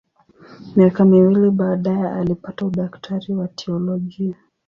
Miaka miwili baadaye alipata udaktari wa teolojia.